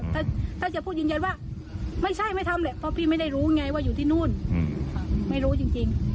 พอพูดเสร็จกับพี่เสร็จทุกอย่าง